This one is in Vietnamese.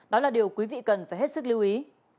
đó là điều quý vị cần phải hết sức lưu ý